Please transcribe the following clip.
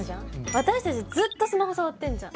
私たちずっとスマホ触ってんじゃん。